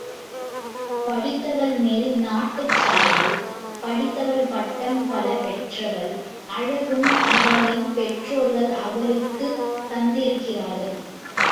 படித்தவள் மேல் நாட்டுச் சாயல் படிந்தவள் பட்டம் பல பெற்றவள் அழகும், அவளின் பெற்றோர்கள் அவளுக்குத் தந்திருக்கிறார்கள்.